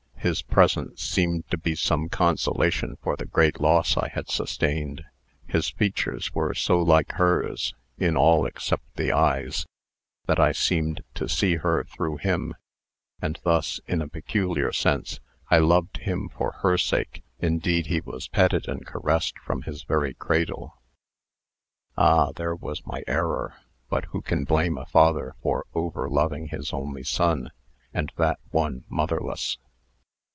His presence seemed to be some consolation for the great loss I had sustained. His features were so like hers, in all except the eyes, that I seemed to see her through him; and thus, in a peculiar sense, I loved him for her sake, indeed. He was petted and caressed from his very cradle. Ah, there was my error; but who can blame a father for over loving his only son, and that one motherless!